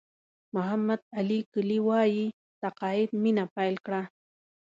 محمد علي کلي وایي تقاعد مینه پیل کړه.